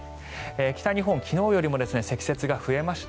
北日本昨日よりも積雪が増えました。